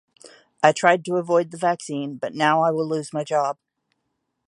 I tried to avoid the vaccine but now I will lose my job.